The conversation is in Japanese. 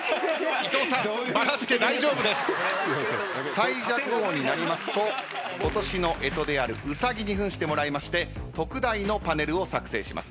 最弱王になりますと今年の干支であるうさぎに扮してもらいまして特大のパネルを作成します。